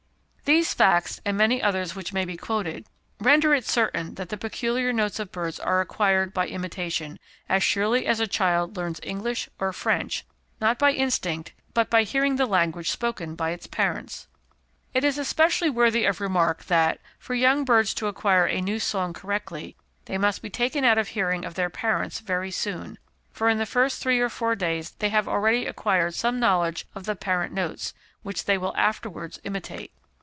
These facts, and many others which might be quoted, render it certain that the peculiar notes of birds are acquired by imitation, as surely as a child learns English or French, not by instinct, but by hearing the language spoken by its parents. It is especially worthy of remark that, for young birds to acquire a new song correctly, they must be taken out of hearing of their parents very soon, for in the first three or four days they have already acquired some knowledge of the parent notes, which they will afterwards imitate.